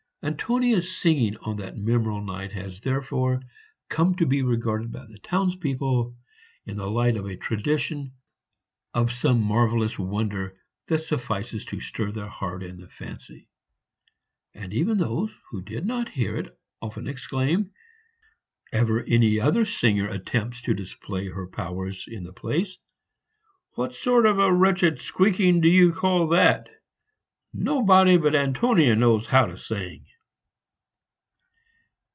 Antonia's singing on that memorable night has, therefore, come to be regarded by the townspeople in the light of a tradition of some marvellous wonder that suffices to stir the heart and the fancy; and even those who did not hear it often exclaim, ever any other singer attempts to display her powers in the place, 'What sort of a wretched squeaking do you call that? Nobody but Antonia knows how to sing.'"